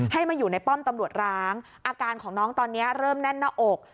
ให้มาอยู่ในป้อมตำรวจร้างอาการของน้องตอนนี้เริ่มแน่นหน้าอก